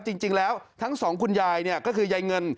จริงแล้วทั้งสองคุณยายก็คือยายเงิน